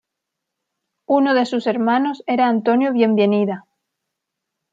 Uno de sus hermanos era Antonio Bienvenida.